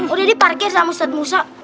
udah diparkir sama set musa